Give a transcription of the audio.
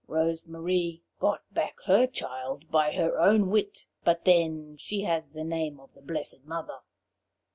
Rose Marie got back her child by her own wit, but then she has the name of the blessed Mother.